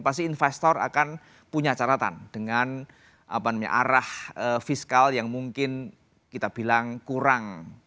pasti investor akan punya caratan dengan arah fiskal yang mungkin kita bilang kurang